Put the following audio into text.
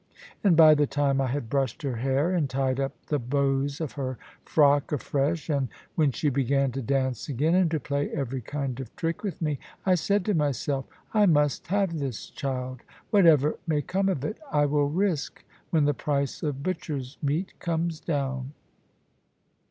And by the time I had brushed her hair and tied up the bows of her frock afresh, and when she began to dance again, and to play every kind of trick with me, I said to myself, "I must have this child. Whatever may come of it, I will risk when the price of butcher's meat comes down."